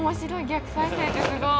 逆再生ってすごい。